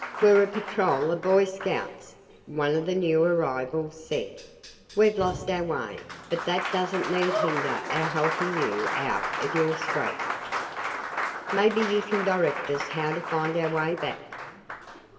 "We're a patrol of Boy Scouts," one of the new arrivals said. "We've lost our way, but that doesn't need hinder our helping you out of your scrape. Maybe you can direct us how to find our way back."